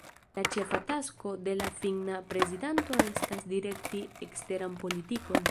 La ĉefa tasko de la finna prezidanto estas direkti eksteran politikon.